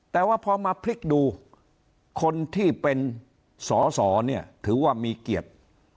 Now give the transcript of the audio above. แต่ว่าพอมาพลิกดูคนที่เป็นสอสอเนี่ยถือว่ามีเกียรติ